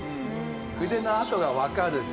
筆の跡がわかる。